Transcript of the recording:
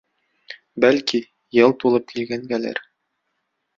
Бәлки, йыл тулып килгәнгәлер?